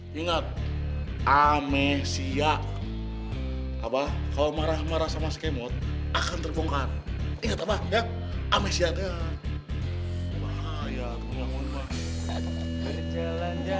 hai ingat amesia apa kau marah marah sama skemot akan terbongkar